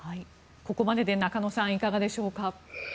ここまでで中野さんいかがでしょうか。